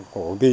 của công ty